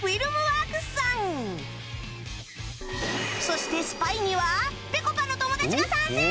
そしてスパイにはぺこぱの友達が参戦！